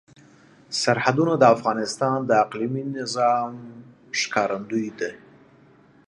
سرحدونه د افغانستان د اقلیمي نظام ښکارندوی ده.